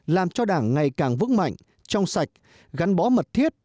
làm cho đảng ngày càng vững mạnh trong sạch gắn bó mật thiết